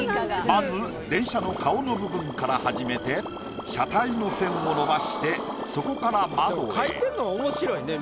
まず電車の顔の部分から始めて車体の線を伸ばしてそこから窓へ。